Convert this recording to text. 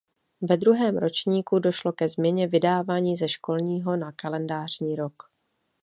Ve druhém ročníku došlo ke změně vydávání ze školního na kalendářní rok.